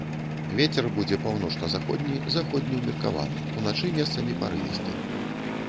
Вецер будзе паўночна-заходні, заходні ўмеркаваны, уначы месцамі парывісты.